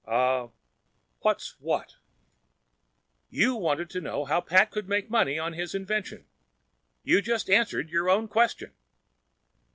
"Huh? What's what?" "You wanted to know how Pat could make money from his invention. You've just answered your own question."